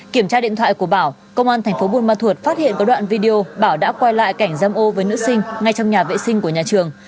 kiểm tra điện thoại của bảo công an tp cà mau phát hiện có đoạn video bảo đã quay lại cảnh dâm ô với nữ sinh ngay trong nhà vệ sinh của nhà trường